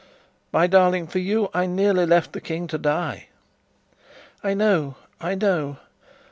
My darling, for you I nearly left the King to die!" "I know, I know!